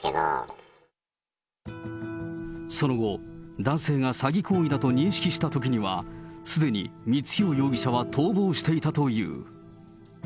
その後、男性が詐欺行為だと認識したときには、すでに光弘容疑者は逃亡していたという。